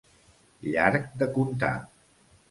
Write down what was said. Llarg de contar.